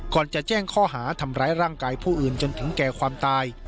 ก่อนจะแจ้งข้อหาทำร้ายร่างกายผู้อื่นจนถึงแก่ความตาย